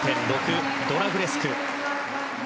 ドラグレスク。